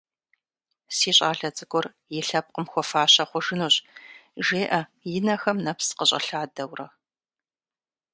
Си щӏалэ цӏыкӏур и лъэпкъым хуэфащэ хъужынущ, – жеӏэ, и нэхэм нэпс къыщӏэлъадэурэ.